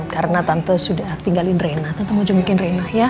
karena tante sudah tinggalin rena tante mau jemputin rena ya